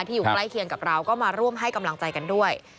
อยู่ใกล้เคียงกับเราก็มาร่วมให้กำลังใจกันด้วย